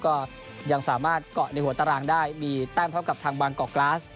ก็ยังสามารถเกาะในหัวตารางได้มีแต้มเท่ากับทางบางกอกกราส